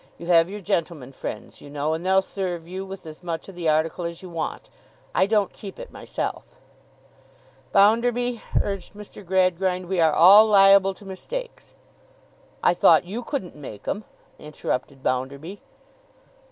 You have your gentleman friends, you know, and they'll serve you with as much of the article as you want. I don't keep it myself.' 'Bounderby,' urged Mr. Gradgrind, 'we are all liable to mistakes—' 'I thought you couldn't make 'em,' interrupted Bounderby.